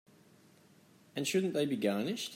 And shouldn't they be garnished?